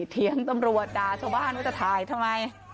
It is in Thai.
เถียงตำรวจด่าชาวบ้านว่าจะถ่ายทำไม